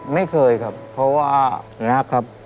ไม่เคยครับเพราะว่ารักครับ